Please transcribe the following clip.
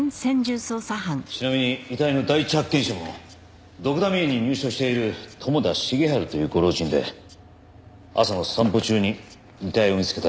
ちなみに遺体の第一発見者もドクダミ園に入所している友田重治というご老人で朝の散歩中に遺体を見つけたらしい。